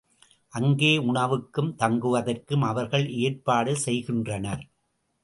அங்கே உணவுக்கும் தங்குவதற்கும் அவர்கள் ஏற்பாடு செய்கின்றனர்.